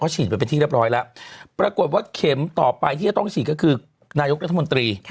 ฉีดไปเป็นที่เรียบร้อยแล้วปรากฏว่าเข็มต่อไปที่จะต้องฉีดก็คือนายกรัฐมนตรี